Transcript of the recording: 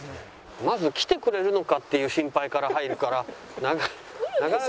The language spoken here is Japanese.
まず来てくれるのか？っていう心配から入るから。